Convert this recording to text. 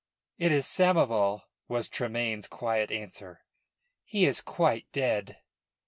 "It is Samoval," was Tremayne's quiet answer. "He is quite dead."